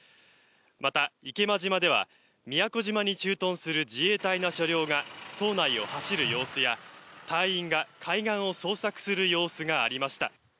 また池間島では宮古島に駐屯する自衛隊の車両が島内を走る様子や隊員が海岸を捜索する様子がありました。